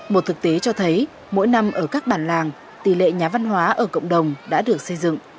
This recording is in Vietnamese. một thực tế cho thấy mỗi năm ở các bản làng tỷ lệ nhà văn hóa ở cộng đồng đã được xây dựng